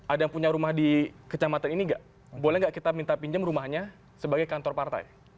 ada yang punya rumah di kecamatan ini nggak boleh nggak kita minta pinjam rumahnya sebagai kantor partai